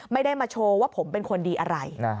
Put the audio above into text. ไม่ได้มาโชว์ว่าผมเป็นคนดีอะไร